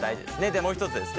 でもう一つですね